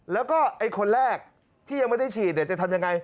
แล้วก็ไอ้คนแรกที่ยังไม่ได้ฉีดจะทำยังไง